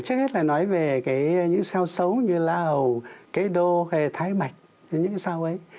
trước hết là nói về những sao xấu như lào cái đô cái thái mạch những sao ấy